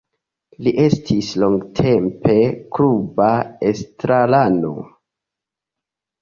Li estis longtempe kluba estrarano.